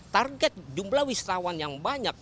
target jumlah wisatawan yang banyak